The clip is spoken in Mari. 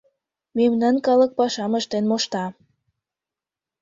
Мемнан калык пашам ыштен мошта.